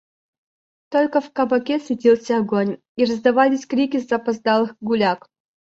Только в кабаке светился огонь и раздавались крики запоздалых гуляк.